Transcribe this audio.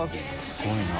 すごいな。